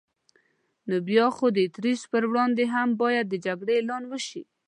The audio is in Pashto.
نو بیا خو د اتریش پر وړاندې هم باید د جګړې اعلان وشي.